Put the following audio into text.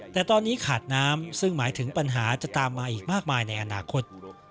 แต่ตอนนี้ขาดน้ำซึ่งหมายถึงปัญหาจะตามมาอีกมากมายในอนาคต